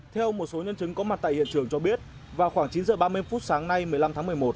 theo một số nhân chứng có mặt tại hiện trường cho biết vào khoảng chín h ba mươi phút sáng nay một mươi năm tháng một mươi một